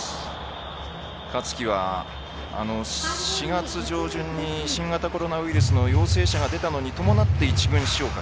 香月は４月上旬に新型コロナウイルスの陽性者が出たのに伴って一軍昇格。